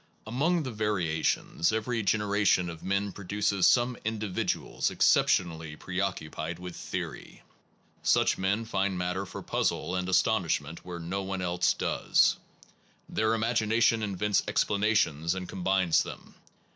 Among the variations, every generation of men produces some individuals exceptionally Phiioso preoccupied with theory. Such men those who ^ n( ^ matter for puzzle and astonish ment where no one else does. Their imagination invents explanations and com bines them.